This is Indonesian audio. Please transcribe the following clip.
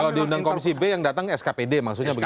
kalau diundang komisi b yang datang skpd maksudnya begitu